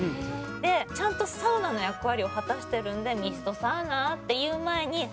「でちゃんとサウナの役割を果たしてるんでミストサウナ？って言う前に入ってみて」